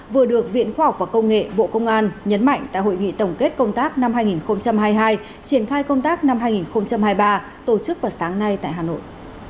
vừa được viện khoa học và công nghệ bộ công an nhấn mạnh tại hội nghị tổng kết công tác năm hai nghìn hai mươi hai triển khai công tác năm hai nghìn hai mươi ba tổ chức vào sáng nay tại hà nội